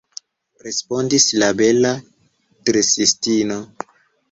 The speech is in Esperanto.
respondis la bela dresistino.